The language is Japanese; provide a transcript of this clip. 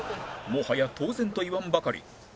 もはや当然と言わんばかり